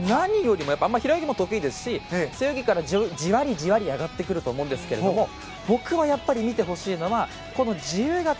平泳ぎも得意ですし背泳ぎからじわりじわり上がってくると思うんですけれども僕は見てほしいのはこの自由形。